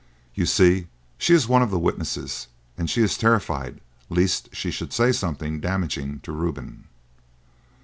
You see, she is one of the witnesses, and she is terrified lest she should say something damaging to Reuben."